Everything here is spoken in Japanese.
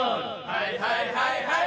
はいはいはいはい。